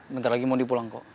bentar lagi mondi pulang kok